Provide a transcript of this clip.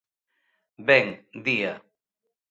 Ben, día.